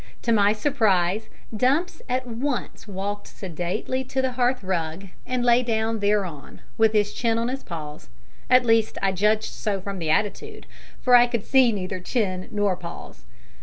To my surprise Dumps at once walked sedately to the hearth rug, and lay down thereon, with his chin on his paws at least I judged so from the attitude, for I could see neither chin nor paws.